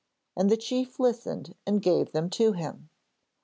And the chief listened and gave them to him.